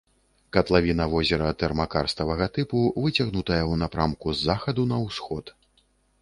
Катлавіна возера тэрмакарставага тыпу, выцягнутая ў напрамку з захаду на ўсход.